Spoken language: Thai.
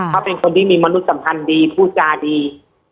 เขาเป็นคนที่มีมนุษย์สัมพันธ์ดีพูดจาดี